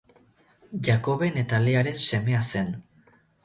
Jakoben eta Learen semea zen.